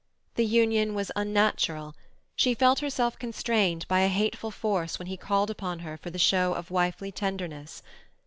The union was unnatural; she felt herself constrained by a hateful force when he called upon her for the show of wifely tenderness.